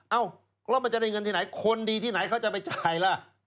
เอ้าแล้วมันจะได้เงินที่ไหนคนดีที่ไหนเขาจะไปจ่ายล่ะ